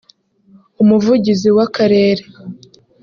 Umuvugizi w’Akarere